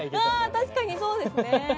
確かにそうですね！